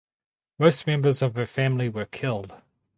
Most members of her family were killed.